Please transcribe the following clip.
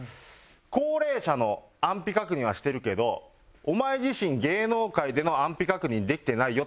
高齢者の安否確認はしてるけどお前自身芸能界での安否確認できてないよって事ですよね。